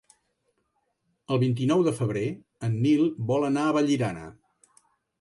El vint-i-nou de febrer en Nil vol anar a Vallirana.